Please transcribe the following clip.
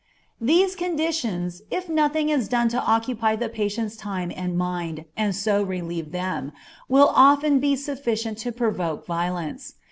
These conditions, if nothing is done to occupy the patient's time and mind, and so relieve them, will often be sufficient to provoke violence.